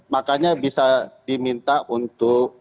makanya bisa diminta untuk